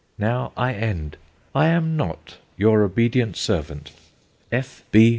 Now I end. "I am not "Your obedient servant, "P. B. SHELLEY."